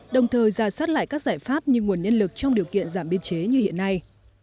đồng thời ra soát lại các giải pháp như nguồn nhân lực trong điều kiện giảm biên chế như hiện nay